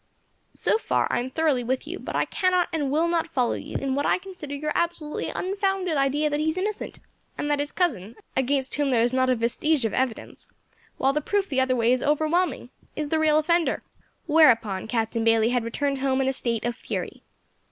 So far I am thoroughly with you, but I cannot and will not follow you in what I consider your absolutely unfounded idea that he is innocent, and that his cousin against whom there is not a vestige of evidence, while the proof the other way is overwhelming is the real offender." Whereupon Captain Bayley had returned home in a state of fury.